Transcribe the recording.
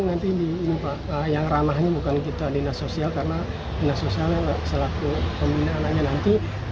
nanti di yang ramahnya bukan kita dinas sosial karena dinas sosial yang selaku pembinaan nanti